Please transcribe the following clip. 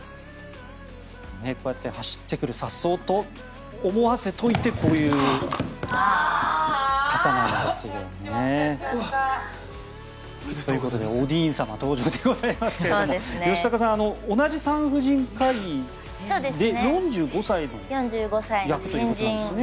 こうやって颯爽と走ってくると思わせておいてこういう方なんですよね。ということでおディーン様登場でございますが吉永さん、同じ産婦人科医で４５歳の役ということですね。